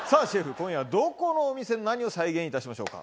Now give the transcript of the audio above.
今夜はどこのお店の何を再現いたしましょうか？